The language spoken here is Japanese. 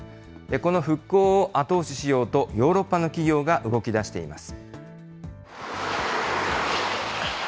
この復興を後押ししようと、ヨーロッパの企業が動きだしています。